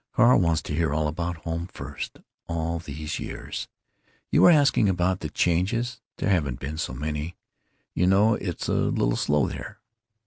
Carl wants to hear all about Home first.... All these years!... You were asking about the changes. There haven't been so very many. You know it's a little slow there.